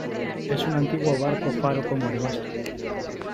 es un antiguo barco faro como el nuestro ,